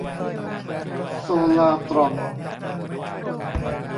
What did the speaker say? โซลาร์ตรอน